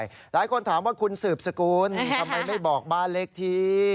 หลายคนถามว่าคุณสืบสกุลทำไมไม่บอกบ้านเลขที่